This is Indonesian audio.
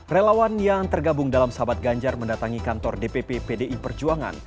relawan yang tergabung dalam sahabat ganjar mendatangi kantor dpp pdi perjuangan